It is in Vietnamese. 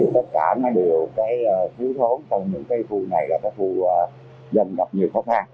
tất cả nó đều cái thiếu thốn trong những cái vụ này là cái vụ dân gặp nhiều khó khăn